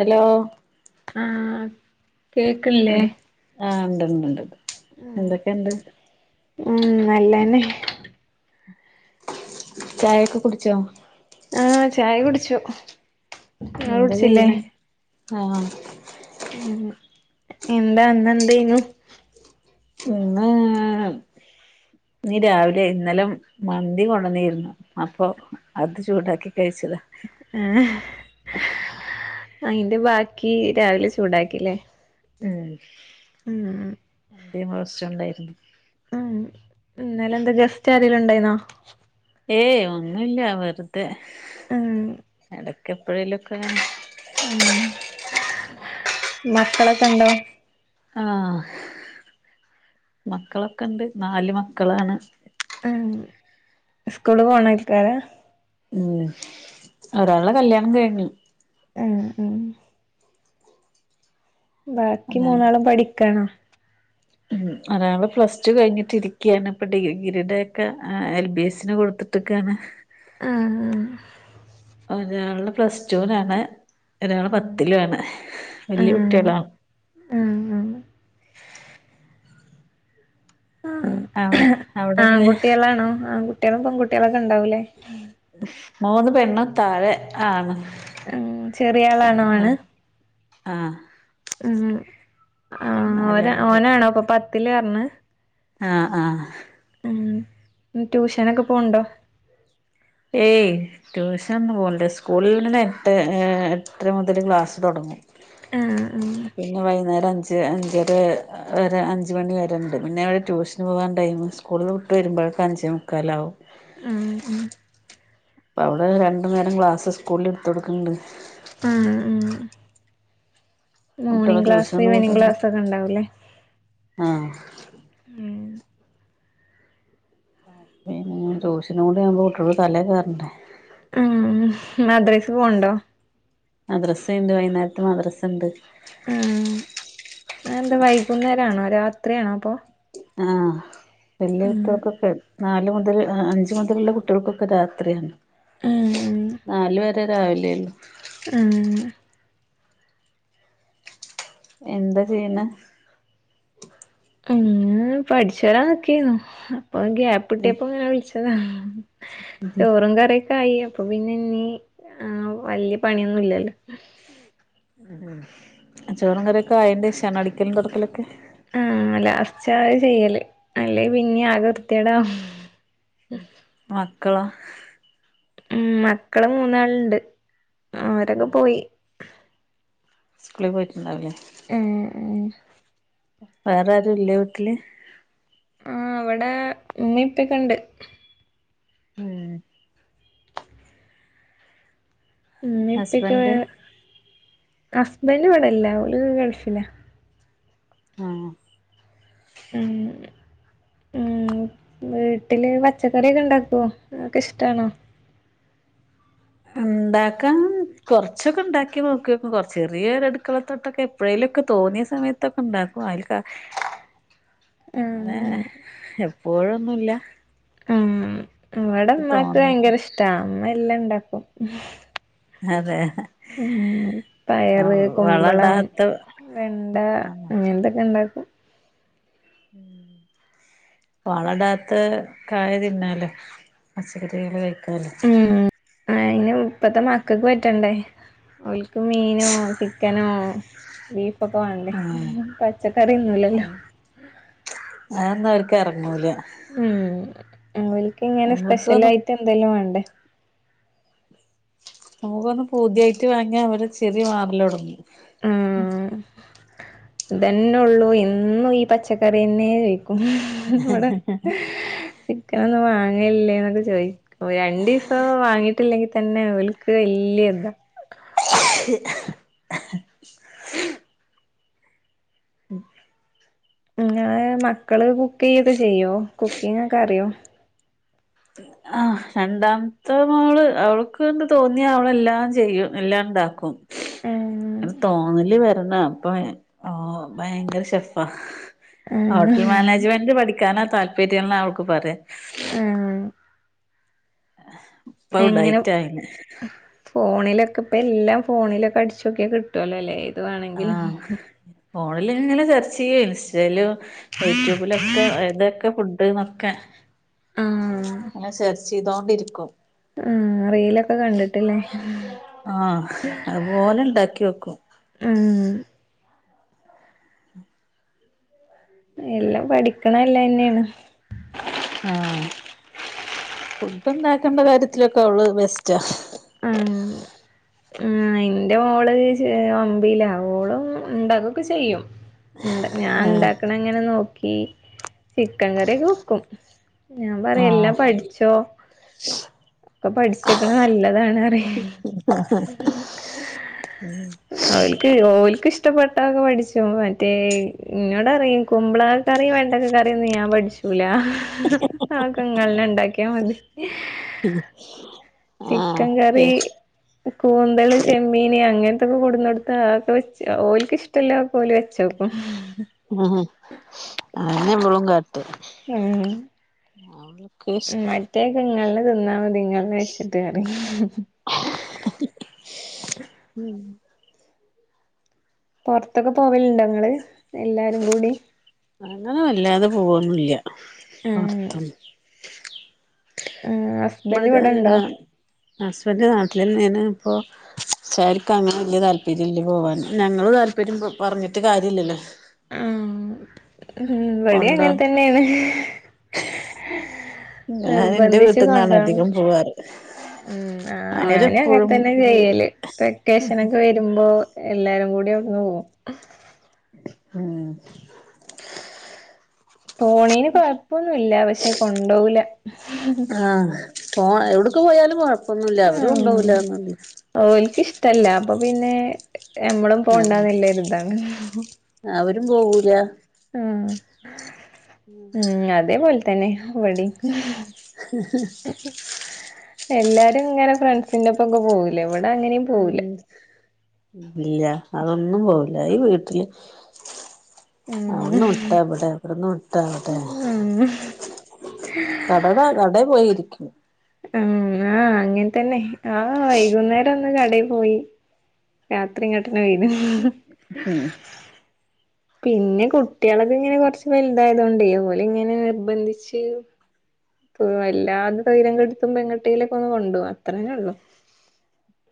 Hello ആഹ് കേക്ക്ണില്ലേ ആ ഇണ്ടണ്ട്ണ്ട് ആഹ് എന്തൊക്കണ്ട്? ഉം നല്ലന്നെ. ചായൊക്കെ കുടിച്ചോ? ആ ചായ കുടിച്ചു. ഇങ്ങള് എന്താ കുടിച്ചില്ലേ കെയ്യണേ ആ? ഉം എന്താ ന്ന എന്തനു? ഇന്ന് നീ രാവിലെ ഇന്നലെ മന്തി കൊണ്ടന്നീരുന്നു. അപ്പൊ അത് ചൂടാക്കി കഴിച്ചതാ. ആ അയ്ന്റെ ബാക്കി രാവിലെ ചൂടാക്കില്ലേ? ഉം മ് യും പ്രശം ണ്ടായി ഇന്നലന്താ ഗസ്റ്റ് ആരിലണ്ടായിന്നോ? ഏയ് ഒന്നുല്ല വെറുതെ ഉം ഇടക്ക എപ്പഴേലൊക്കെങ്ങനെ. ഉം മക്കളൊക്കെ ഉണ്ടോ? ആ മക്കളൊക്കെ ഇണ്ട് നാല് മക്കളാണ്. ആ സ്കൂള് പോണായിക്കാര ഉം ഒരാള കല്ല്യാണം കയ്ഞ്. ഏ ഉം ബാക്കി അതാണ് മൂന്നാളും പഠിക്കണ? ഉം അതാവൾ പ്ലസ് ടു കഴിഞ്ഞിട്ടിരിക്കണ് ഇപ്പൊ ഡിഗ്രീഡ ഒക്കെ എൽ ബി എസ്സിന് കൊടുത്തി ക്കാണ് ആ ആ ഒരാൾ പ്ലസ് ടുലാണ് ഒരാള് ആഹ് പത്തിലും ആണ് വലിയ ആഹ് കുട്ടികളാ ആഹ് ആഹ് അവ അവിടെ ആ എങ്ങനെ ആൺകുട്ടികളാണോ ആൺകുട്ടികളും പെൺകുട്ടികളൊക്കെ ഉണ്ടാവൂലേ? മൂന്ന് പെണ്ണ താഴെ ആണ്. ഉ ചെറിയളാണോ ആണ്? ആഹ് ഉ ആ ഓന നാലാമതായിട്ട് ഓനാണോപ്പൊ പത്തില് പറഞ്ഞ? ആ ആഹ് ഉ ട്യൂഷനൊക്കെ പോണ്ടോ? ഏയ് ട്യൂഷൻന്ന് പോണ്ട് സ്കൂൾ ഇന്നന്നെ എട്ട് എട്ടര മുതൽ ക്ലാസ്സ് തുടങ്ങും. ആഹ് ആഹ് പിന്നെ വൈകുന്നേരം അഞ്ച് അഞ്ചര ഒ അഞ്ച് മണി വരണ്ട് പിന്നെ അതവരെ ട്യൂഷന് പോകാൻ ഇണ്ടായ്ന് സ്കൂളിൽ വിട്ട് വരുമ്പോഴക്കെ അഞ്ചേ മുക്കാല ആകും. ഉ അപ്പ അവിടെ രണ്ടു നേരം ക്ലാസ് സ്കൂളിൽ എടുത്ത് കൊടുക്കുന്നുണ്ട് ആ ഉ കുട്ടികളെ മോർണിംഗ ക്ലാസ് ട്യൂഷന് ഈവനിങ് ക്ലാസ് ഒക്കെ ഉണ്ടാവൂല്ലേ? ആഹ ഉം പിന്നെ ട്യൂഷനു കുടിയ്ക്കുമ്പോട്ട് തലേ കയറണ്ടണ്ട്. അ മദ്രൈസ് പോണ്ടോ. മദ്രസ ഉണ്ട് വൈന്നാരത്ത് മദ്രസ ഉണ്ട്. ആ അതെന്താ വൈകുന്നേര ആണോ രാത്രിയാണോ അപ്പൊ? ആ വല്യ ഉം വീട്ടികർക്കൊക്കെ നാല് മുതൽ അഞ്ച മുതലുള്ള കുട്ടികൾക്കൊക്കെ രാത്രിയാണ്. ഉം ഉം നല് വരെ രാവിലെയല്ലോ. ആഹ എന്താ ചെയ്യന്ന പഠിച്ചു വരാ നോക്കിു അപ്പൊ ഗ്യാപ്പ് ഇിട്ടിയപ്പോ എങ്ങന വിളിച്ചതാ. ചോറും കറിയൊക്കെ ആയി അപ്പൊ പിന്നെ ഇീ ആ വലിയ പണിയൊന്നുംല്ലല്ലോ. അച്ചോറും കറൊക്കെ ആയിന്റെറെ ക്ഷണ അടിക്കലും കറക്കലൊക്കെ. ഉം ലാസ്റ്റാ ആത് ചെയ്യല് അല്ലെ പിന്നെ ആകെ വൃത്തികേടാവും മക്കളാ ഉം മക്കള് മൂന്നാളുണ്ട് അവരൊക്കെ പോയി സ്കൂളി പോയിട്ടുണ്ടാവൂല്ലേ ഏഹ് ഏഹ് വേറെ ആരു ഇല്ലേ വീട്ടില് ആഹ് ഇവിടെ ഇന്ന് ഉമ്മേപ്പക്കണ്ട് ഉം ഉമ്മപ്പെക്കെ ഹസ്ബൻഡ് ഹസ്ബൻഡ് ഇവിടെല്ല ഓല് ഗൾഫിലാ ആഹ് ഉം ഉം വീട്ടില് പച്ചക്കറിയൊക്കെ ഇണ്ടാക്കുവോ അതൊക്കെ ഇഷ്ട്ടാണോ ഇണ്ടാക്കാൻ കൊറച്ചൊക്കെ ഇണ്ടാക്കി നോക്കി നോക്കും ചെറിയൊരു അടുക്കള തോട്ടൊക്കെ എപ് എപ്പഴേയിലൊക്കെ തോന്നിയ സമയത്തൊക്കെ ഇണ്ടാക്കും അയിൽക്കാ അങ്ങനെ ആഹ് എപ്പോഴൊന്നുല്ല ഉം ഇവടെ ഉമ്മാക്ക് തോന്നല് ഭയങ്കര ഇഷ്ട്ടാ ഉമ്മ എല്ലാം ഇണ്ടാക്കും അതേ ഉം പയറ്, കുമ്പളം വളടാത്ത വെണ്ട ആ അങ്ങനെത്തെക്കെ ഇണ്ടാക്കും വള ഇടാത്ത കായ തിന്നാലോ പച്ചക്കറികള് കഴിക്കാലോ ഉം അയിന് ഇപ്പത്തെ മക്കക്ക് പറ്റണ്ടേ ഓലിക്ക് മീനോ ചിക്ക് ചിക്കനോ ബീഫൊക്കെ വേണ്ടേ ആ പച്ചക്കറി തിന്നുല്ലല്ലോ അതൊന്നും ഓര്ക്ക് എറങ്ങൂല ഉം ഓലിക്ക് ഇങ്ങനെ സ്പെഷ്യൽ നമ്മുക്കൊന്നും ആയിട്ട് എന്തെലും വേണ്ടേ നമുക്കൊന്ന് പൂതിയായിട്ട് വാങ്ങിയാ അവരെ ചിറി മാറല് തൊടങ്ങും ആഹ് ഇതന്നെ ഒള്ളൂ എന്നും ഈ പച്ചക്കറിയെന്നെ ചോയി ഉം ഇവടെ ചിക്കനൊന്നും വാങ്ങലില്ലേന്നൊക്കെ ചോയി രണ്ടീസം വാങ്ങിയിട്ടില്ലെങ്കി തന്നെ ഓലിക്ക് വല്യ ഇതാ ഉം ഞാൻ മക്കള് കുക്ക് ചെയ്യൊക്കെ ചെയ്യും കുക്കിംഗൊക്കെ അറിയും ആഹ് രണ്ടാമത്തെ മോള് അവൾക്ക്ണ്ട് തോന്നി അവളെല്ലാം ചെയ്യും എല്ലാം ഇണ്ടാക്കും ഏഹ് അയിന് തോന്നല് വരണം അപ്പൊ ഓഹ് ഭയങ്കര ഷെഫാ ആഹ് ഹോട്ടൽ മാനേജ്മെന്റ് പഠിക്കാനാ താല്പര്യന്നാ ഓൾക്ക് പറയാ ഇപ്പ എങ്ങിനും ഉടായിട്ടാ അയിന് ഫോണിലൊക്കെ ഇപ്പ എല്ലാം ഫോണിലൊക്കെ അടിച്ചോക്കിയാ കിട്ടുവല്ലോ ലെ ഏത് വാണങ്കിലും ഫോണിൽ ഇങ്ങനെ സെർച്ചെയ്യേ ഇൻസ്റ്റയിലും യൂട്യൂബിലൊക്കെ ഏതൊക്കെ ഫുഡ് ണ്ട്ന്നൊക്കെ ആഹ് ഇങ്ങനെ സെർച്ചേയിതോണ്ടിരിക്കും ഉം റീലൊക്ക് കണ്ട്ട്ട്ല്ലേ ആഹ് അതുപോലെ ഇണ്ടാക്കി വെക്കും ഉം എല്ലാം പഠിക്കണെ നല്ലെന്നെയാണ് ആഹ് ഫുഡ് ഇണ്ടാക്കേണ്ട കാര്യത്തിലൊക്കെ അവള് ബെസ്റ്റാ [inaudible] ഉം ന്റെ മോള് ചെ ഒമ്പിയിലാ ഓളും ഇണ്ടാക്കുവൊക്കെ ചെയ്യും [inaudible] ഇണ്ടാ ഞാൻ ആഹ് ഇണ്ടാക്കണങ്ങനെ നോക്കി ചിക്കൻ കറിയൊക്കെ വെക്കും ഞാൻ പറയും എല്ലാം ആഹ് പഠിച്ചോ ഒക്കെ പഠിച്ച് വെക്കണെ നല്ലതാണ് പറിയും [inaudible] അവിൽക് ഓൽക്കിഷ്ടപ്പെട്ടൊക്കെ പഠിചോ മറ്റേ ഇങ്ങട് അറിയിക്കുമ്പള് കറി വേണ്ടക്ക കറിയൊന്നും ഞാൻ പഠിച്ചൂല ആൾക്കെങ്ങന്നെലും ഒണ്ടാക്കിയാ മതി [unintelligible] ആഹ് ചിക്കൻ കറി കൂന്തള് ചെമ്മീന് അങ്ങനത്തൊക്കെ കൂടുന്നടുത്ത് ആക്ക് ഒച് ഓലക്ക് ഇഷ് ട്ടല്ലക്കൊല് ഒച്ച വെക്കും ഉം അങ്ങനെബളും കാട്ട ഏഹ് നികേഷ് മറ്റേക്കെ ഇങ്ങള് തിന്നാ മതി ഇങ്ങള് വെച്ചിട്ട് കറി ഉം പൊറത്തൊക്കെ പോവലണ്ടൊ ങ്ങള് എല്ലാരും കൂടി ഞങ്ങളും അല്ലാതെ പോവൊന്നുവില്ല ഉം പൊറത്തും ഉം ഹസ്ബൻഡ് ഇവിടെണ്ടോ [unintelligible] ഹസ്ബൻഡ് നാട്ടിലില്ലേനു ഇപ്പൊ ച്ചെരിക്ക അങ്ങനെ വല്ല്യ താല്പര്യല്ല പോവാൻ ഞങ്ങള് താല്പര്യം പ പറഞ്ഞിട്ട് കാര്യല്ലല്ലോ ആം ഉം ഇവടേം കൊണ്ടോണ്ടെ അങ്ങനതന്നെയാണ് ഞാൻ എന്റെ നിർബന്ധിച്ച് വീട്ടിന്നാണ് കൊണ്ടാണം അധികം പോവാറ് ഉം ഉം ആ ഞാനും അങ്ങനെ അവരെപ്പോഴും തന്നായാ ചെയ്യല് വെക്കേഷനൊക്കെ വരൂ രുമ്പോ എല്ലാരും കൂടി ആവിടുന്ന് പോകും ഉം പൊണേന് കൊഴപ്പവൊന്നുവില്ല പക്ഷെ കൊണ്ടവുല ആഹ പോ എവിടക്ക് പോയാലും കൊഴപ്പൊന്നുല്ല അവര് കൊണ്ടോവുലാന്നൊള്ളു ഓലക്കിഷ്ടല്ല അപ്പൊ പിന്നെ നമ്മളും ആഹ് പോണ്ടന്നല്ലരിതാണ് അവരും പോവൂല്ല ഉം ഉം അതേപോലെ തന്നെ വടിം [inaudible] എല്ലാരും ഇങ്ങനെ ഫ്രണ്ട്സിന്റൊപ്പക്കെ പോവുല്ലെ ഇവിടെ അങ്ങനേം പോവുല്ല ഉം ഇല്ല അതൊന്നും പോവുല്ല ഈ വീട്ടില് ഉം ആവിടുന്ന് വിട്ടാ ഇബടെ ഇവിടന്ന് വിട്ടാ അവടെ ഉം കടക കടെ പോയിരിക്കും ഉം ആ അങ്ങനെ തന്നെ ആ വൈകുന്നേരവൊന്ന് കടെ പോയി രാത്രിയിങ്ങട്ടനെ വെരും ഉം പിന്നെ കുട്ടികളൊക്കിങ്ങനെ കൊറച്ച് വെലു തായതോണ്ടെ ഓലിങ്ങനെ നിർബന്ധിച്ച് ഇപ്പൊ വല്ലാണ്ട് സ്വര്യം കെടുത്തുമ്പൊ എങ്ങട്ടേലുവോക്കെയൊന്ന് കൊണ്ടോവും അത്രേയൊള്ളു.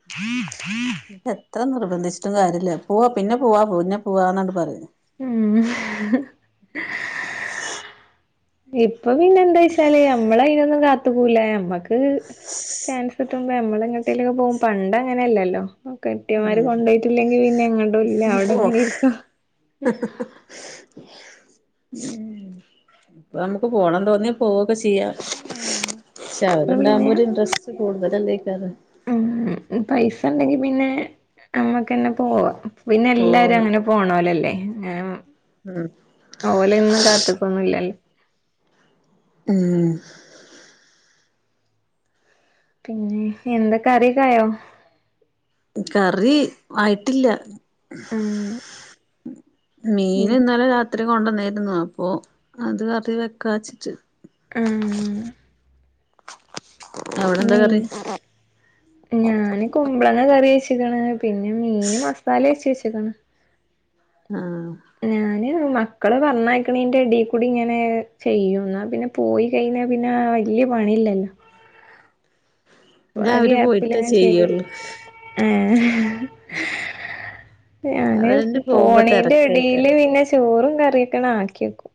[inaudible] ട്ട് എത്ര നിർബന്ധിച്ചിട്ടും കാര്യല്ല പോവാ പിന്നെ പോവാ പിന്നെ പോവാന്നണ്ട് പറയുന്നെ. ഉം [inaudible] ഇപ്പൊ പിന്നെ എന്തായ്ച്ചാല് നമ്മളയിനൊന്നും കാത്തുക്കൂല ഞമ്മക്ക് ചാൻസ് കിട്ടുമ്പോ നമ്മളെട്ടേലുകെപോവും പണ്ടങ്ങനെയല്ലല്ലോ കെട്ടിയോൻമാര് ഉം കൊണ്ടോയിട്ടില്ലെങ്കി പിന്നെ എങ്ങട്ടുവില്ല അവടങ്ങനെ ഇരിക്ക ഉം ഇപ്പനമുക്ക് പോണന്ന്‌ തോന്നിയാ പോവൊക്കെ ചെയ്യാ പക്ഷെ ഇപ്പൊ പിന്നെ അവരുണ്ടകുമ്പോ ഒരു ഇന്റ്രസ്റ്റ് കൂടുതലല്ലേക്കാരം. ഉം പൈസണ്ടെങ്കി പിന്നെ നമ്മക്കന്നെ പോവാം പിന്നെ എല്ലാരും പോവാ അങ്ങനെ പോണോലല്ലേ ആം ഉം ഓലെന്നും കാത്തുക്കൊന്നുല്ലല്ലോ ഉം പിന്നെ എന്താ കറിക്കായോ? കറി ആയിട്ടില്ല ഉം മീന് മി ഇന്നലരാ രാത്രി കൊണ്ടന്നീര്ന്നു അപ്പോ അത് കറി വെക്കാച്ചിട്ട് ഉം അവിടെ എന്താ മീ കറി ഞാന് കുമ്പളങ്ങ കറി വെച്ക്ണ് പിന്നെ മീന് മസാല തേച്ചെച്ച്ക്ണ്. ആഹ് ഞാന് മക്കളെ പറഞ്ഞയക്കണീന്റെ എടീ കൂടെങ്ങനെ ചെയ്യും എന്നാ പിന്നെ പോയി കഴിഞ്ഞ പിന്നെ ആ വല്യ പണില്ലല്ലോ? ഞാൻ ആഹ് അവര് പോയിട്ടേ ഗ്യാപ്പിലിങ്ങനെ ചെയ്യും ചെയ്യുള്ളൂ ഏഹ് ഞാന് അവരന്നെ പോകുമ്പോ പോണീന്റെടീല് തിരക്കായിക്കാരം പിന്നെ ചോറും കറിയൊക്കെ ണ ആക്കിക്കും.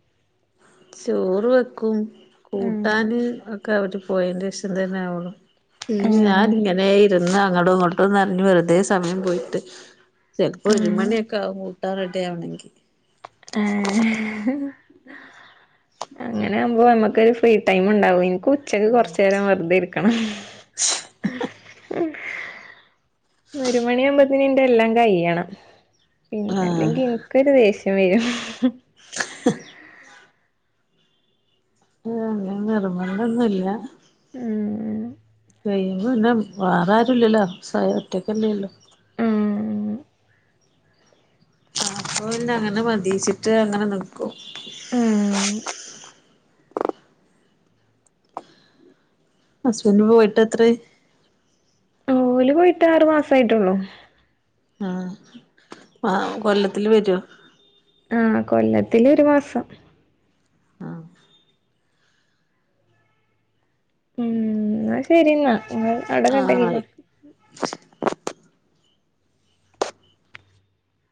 ചോറ് വെക്കും ഉം കൂട്ടാന് ഒക്കെ അവര് പോയന്റെഷം തന്നെ ആവോളളു. ഉം ഞാനിങ്ങനെ ഇരുന്ന് അങ്ട്ടും ഇങ്ട്ടുന്ന് പറഞ് വെറുതെ സമയം പോയിട്ട് ചെലപ്പോ ഒരു ഉം മണിയൊക്കെയാവും കൂട്ടാൻ റടിയാവണെങ്കി അങ്ങനെയാവുമ്പോ നമുക്കൊരു ഫ്രീ ടൈം ണ്ടാവും ൻക് ഉ ഉച്ചക്ക് കൊറച്ചേരം വെറുതെ ഇരിക്കണം ഒരു മണിയാുമ്പത്തിന് ഇന്റെ എല്ലാം കഴിയണം പിന്ന ആഹ് അല്ലെങ്കി എനിക്കൊരു ദേഷ്യം വരും. [inaudible] അങ്ങനെ നിർബന്ധംന്നുല്ല. ഉം [unintelligible] പിന്നെ വേറെ ആാരുംല്ലല്ലോ സ്വ ഒറ്റക്കല്ലേള്ളൂ ഉം ആഹ് അപ്പങ്ങനെ മതിച്ചിട്ട് അങ്ങനെ നിക്കും ഉം ഹസ്ബന്റ് പോയിട്ട് എത്രായി? ഓല് പോയിട്ട് ആറ് മാസായിട്ടുള്ളൂ ആഹ് മാ കൊല്ലത്തിൽ വരോ ആഹ് കൊല്ലത്തില് ഒരു മാസം ആഹ് ഉം ന്ന ശരിന്നാ ങ്ങള് അവിടെ ആ ആയി കട്ടാക്കിക്കോ